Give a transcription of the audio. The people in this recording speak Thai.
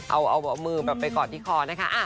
เอามือแบบไปกอดที่คอนะคะ